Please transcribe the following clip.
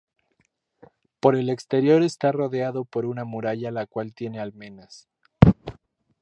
Por el exterior esta rodeado por una muralla la cual tiene almenas.